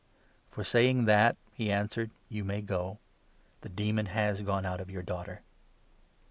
"For saying that," he answered, "you may go. The 29 demon has gone out of your daughter."